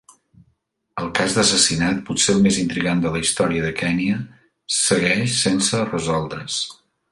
El cas d'assassinat, potser el més intrigant de la història de Kenya, segueix sense resoldre's.